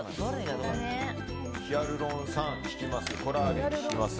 ヒアルロン酸、聞きます